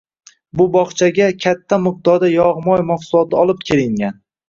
Bu bogʻchaga katta miqdorda yogʻ-moy mahsuloti olib kelingan